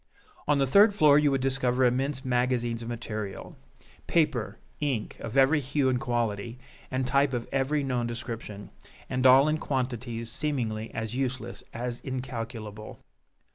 On the third floor you would discover immense magazines of material paper, ink, of every hue and quality, and type of every known description; and all in quantities seemingly as useless as incalculable.